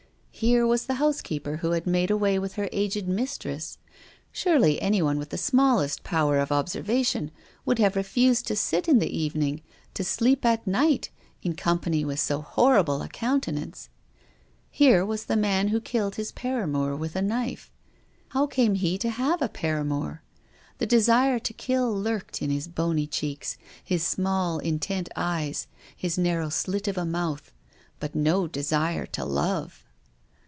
Here was the housekeeper who had made away with her aged mistress. Surely any one with the smallest power of observation would have refused to sit in the evening, to sleep at night, in company with so horrible a countenance. Here was the man who killed his paramour with a knife. How came he to have a paramour? The desire to kill lurked in his bony cheeks, his small, intent eyes, his narrow slit of a mouth, but no desire to love.